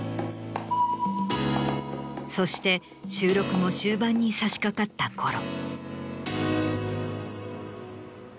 そして収録も終盤にさしかかったころ。